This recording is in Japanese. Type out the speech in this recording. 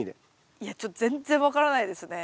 いやちょっと全然分からないですね。